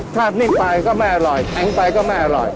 นิ่งไปก็ไม่อร่อยแข็งไปก็ไม่อร่อย